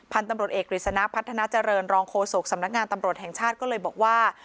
ตำรวจเอกกฤษณะพัฒนาเจริญรองโฆษกสำนักงานตำรวจแห่งชาติก็เลยบอกว่า